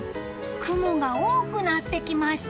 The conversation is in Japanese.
雲が多くなってきました。